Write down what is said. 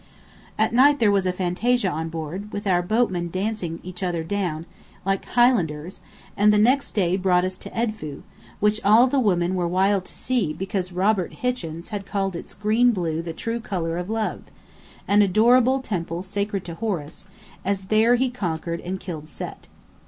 At night there was fantasia on board, with our boatmen dancing each other down, like Highlanders, and the next day brought us to Edfu, which all the women were wild to see because Robert Hichens had called its green blue the "true colour of love": an adorable temple sacred to Horus, as there he conquered and killed Set.